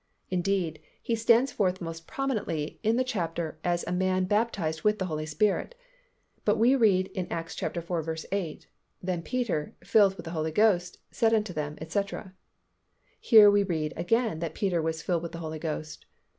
Indeed, he stands forth most prominently in the chapter as a man baptized with the Holy Spirit. But we read in Acts iv. 8, "Then Peter, filled with the Holy Ghost, said unto them, etc." Here we read again that Peter was filled with the Holy Ghost.